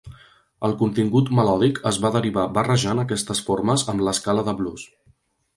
El contingut melòdic es va derivar barrejant aquestes formes amb l'escala de blues.